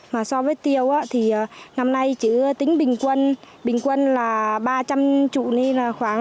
mà so với tiêu thì năm nay chỉ tính bình quân bình quân là ba trăm linh trụ ly là khoảng